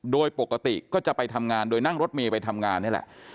โดยปกติก็จะไปทำงานโดยนั่งรถเมย์ไปทำงานนี่แหละ